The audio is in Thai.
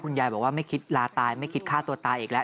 ยายบอกว่าไม่คิดลาตายไม่คิดฆ่าตัวตายอีกแล้ว